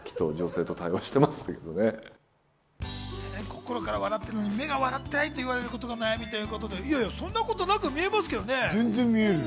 心から笑ってるのに目が笑ってないと言われることが悩みということで、そんなことなく見えますけどね。